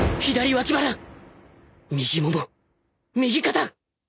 右もも右肩！